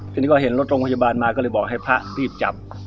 ทีนี้ก็เห็นรถโรงพยาบาลมาก็เลยบอกให้พระรีบจับ